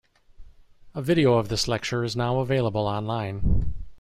A video of this lecture is now available online.